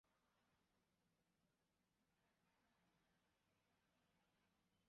热疗是一种将人的组织加热以达到治疗的效果的治疗方式。